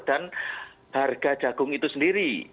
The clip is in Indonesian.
dan harga jagung itu sendiri